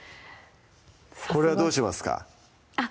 これはどうしますか？